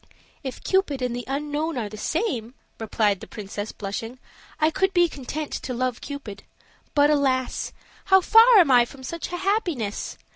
"If Cupid and the unknown are the same," replied the princess, blushing, "I could be content to love Cupid; but alas! how far am I from such a happiness!